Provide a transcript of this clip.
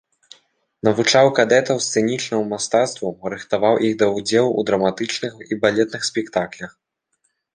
Навучаў кадэтаў сцэнічнаму мастацтву, рыхтаваў іх да удзелу ў драматычных і балетных спектаклях.